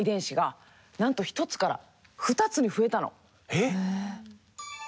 えっ？